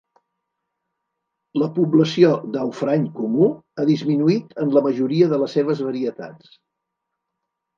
La població d'aufrany comú ha disminuït en la majoria de les seves varietats.